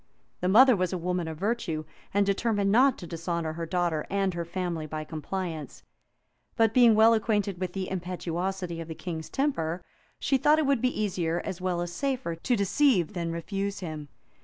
The mother was a woman of virtue, and determined not to dishonor her daughter and her family by compliance; but being well acquainted with the impetuosity of the king's temper, she thought it would be easier, as well as safer, to deceive than refuse him.